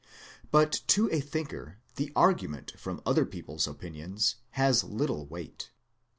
But to a thinker the argument from other people's opinions has little weight.